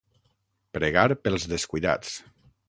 Pregar pels descuidats.